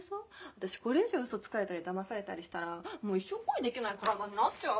私これ以上嘘つかれたり騙されたりしたらもう一生恋できない体になっちゃう。